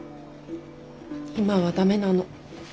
今は駄目なの。